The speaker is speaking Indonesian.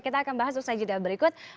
kita akan bahas usai jeda berikut